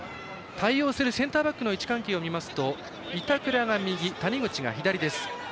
対応するセンターバックの位置関係も見ますと板倉が右谷口が左です。